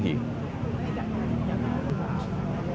ดีฟังนี่ก็เป็นแสดงออกกำลังเชิงสัญลักษณ์